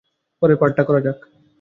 পরের পার্টটা করা যাক।